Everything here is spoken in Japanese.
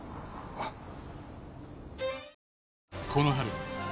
あっ。